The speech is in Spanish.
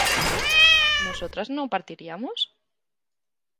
¿nosotras no partiríamos?